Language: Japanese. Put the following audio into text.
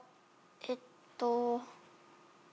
えっと。